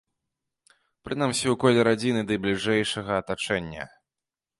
Прынамсі, у коле радзіны ды бліжэйшага атачэння.